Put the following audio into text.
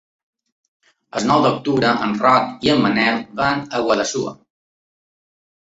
El nou d'octubre en Roc i en Manel van a Guadassuar.